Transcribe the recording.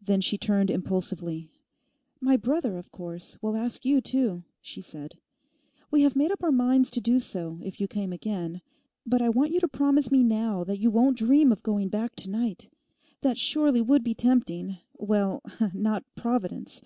Then she turned impulsively. 'My brother, of course, will ask you too,' she said; 'we had made up our minds to do so if you came again; but I want you to promise me now that you won't dream of going back to night. That surely would be tempting—well, not Providence.